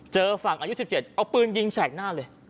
เจอฝั่งอายุ๑๗เอาปืนยิงแสกหน้าเลย